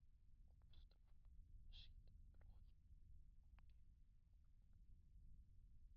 Op it strân siet in ploechje jonge manlju en froulju.